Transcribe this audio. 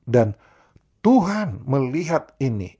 dan tuhan melihat ini